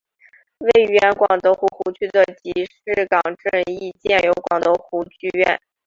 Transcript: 位于原广德湖湖区的集士港镇亦建有广德湖剧院。